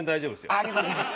ありがとうございます。